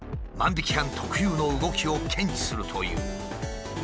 万引き犯特有の動きを検知するという。